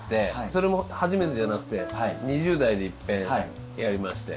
それも初めてじゃなくて２０代でいっぺんやりまして。